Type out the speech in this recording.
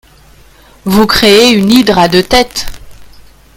Vous créez une hydre à deux têtes